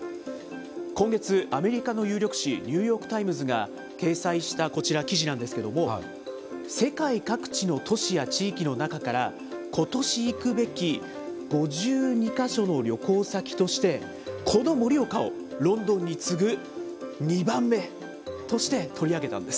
今月、アメリカの有力紙、ニューヨーク・タイムズが掲載したこちら、記事なんですけれども、世界各地の都市や地域の中から、ことし行くべき５２か所の旅行先として、この盛岡をロンドンに次ぐ２番目として取り上げたんです。